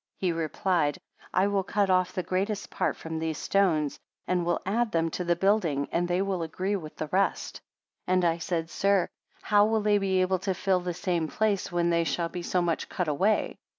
He replied; I will cut off the greatest part from these stones, and will add them to the building, and they will agree with the rest. 60 And I said, Sir, how will they be able to fill the same place, when they shall be so much cut away?